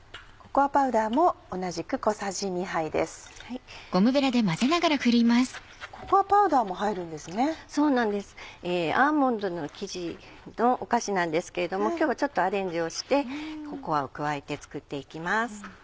アーモンドの生地のお菓子なんですけれども今日はちょっとアレンジをしてココアを加えて作っていきます。